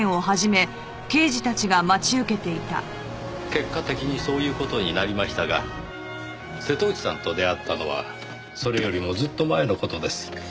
結果的にそういう事になりましたが瀬戸内さんと出会ったのはそれよりもずっと前の事です。